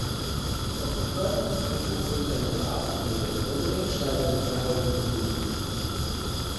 Auf dem örtlichen Friedhof sind ein Grab und mehrere Gedenksteine erhalten geblieben.